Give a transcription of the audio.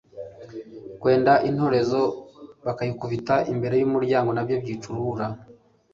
Kwenda intorezo bakayikubita imbere y’umuryango, na byo byica urubura